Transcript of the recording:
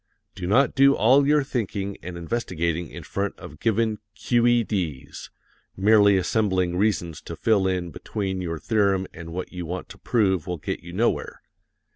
Do not do all your thinking and investigating in front of given "Q.E.D.'s;" merely assembling reasons to fill in between your theorem and what you want to prove will get you nowhere.